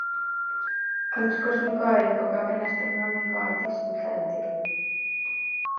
Hauts kosmikoa, bere kokapen astronomikoagatik sailka daiteke.